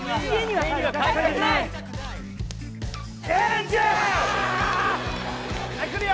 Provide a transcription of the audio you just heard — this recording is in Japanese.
はいくるよ